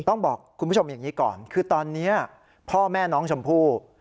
ต้องบอกคุณผู้ชมอย่างนี้ก่อนคือตอนนี้พ่อแม่น้องชมพู่